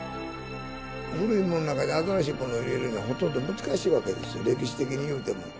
古いものの中に新しいものを入れるいうのはほとんど難しいわけですよ、歴史的に言うても。